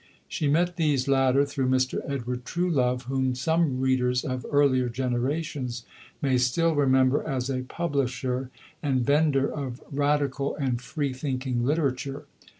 '" She met these latter through Mr. Edward Truelove, whom some readers of earlier generations may still remember as a publisher and vendor of radical and "free thinking" literature.